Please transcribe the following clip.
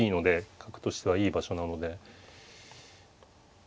角としてはいい場所なので。